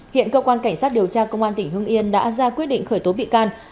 hiện cơ quan cảnh sát điều tra công an tỉnh hưng yên đã ra quyết định khởi tố bị can